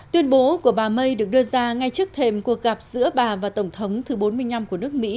tuyên bố của bà may được đưa ra ngay trước thềm cuộc gặp giữa bà và tổng thống thứ bốn mươi năm của nước mỹ